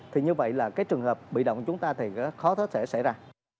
thì như vậy là cái trường hợp bị động chúng ta thì khó thoát sẽ xảy ra